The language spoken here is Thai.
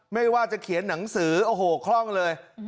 ไม่ว่าจะเขียนหนังสือโอ้โหคล่องเลย